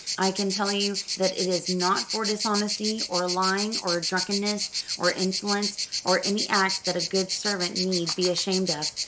I can tell you that it is not for dishonesty, or lying, or drunkenness, or insolence, or any act that a good servant need be ashamed of.